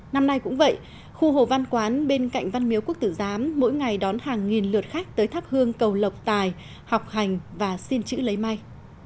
năm nay cũng vậy khu hồ văn quán bên cạnh văn miếu quốc tử giám mỗi ngày đón hàng nghìn lượt khách tới thắp hương cầu lộc tài học hành và xin chữ lấy may